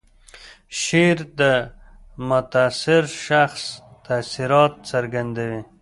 شعر د متاثر شخص تاثیرات څرګندوي.